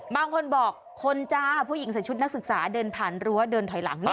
บางคนบอกคนจ้าผู้หญิงใส่ชุดนักศึกษาเดินผ่านรั้วเดินถอยหลังเนี่ย